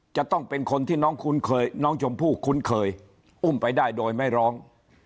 จะต้องเป็นคนที่น้องชมพู่คุ้นเคยอุ้มไปได้โดยไม่ร้อง